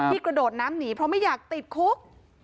กระโดดน้ำหนีเพราะไม่อยากติดคุก